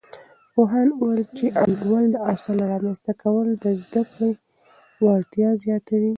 پوهاند وویل، چې د انډول د اصل رامنځته کول د زده کړې وړتیا زیاتوي.